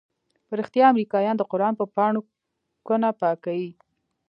په رښتيا امريکايان د قران په پاڼو كونه پاكيي؟